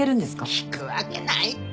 聞くわけないって。